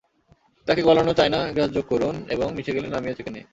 তাতে গলানো China grass যোগ করুন এবং মিশে গেলে নামিয়ে ছেঁকে নিন।